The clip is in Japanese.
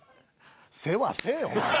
世話せえお前！